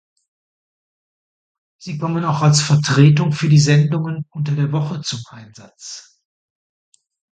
Sie kommen auch als Vertretung für die Sendungen unter der Woche zum Einsatz.